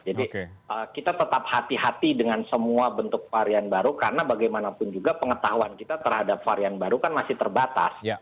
jadi kita tetap hati hati dengan semua bentuk varian baru karena bagaimanapun juga pengetahuan kita terhadap varian baru kan masih terbatas